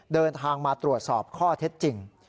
เดินทางมาตรวจสอบข้อเท็จจริง